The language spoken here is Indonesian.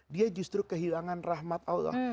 dia justru kehilangan rahmat allah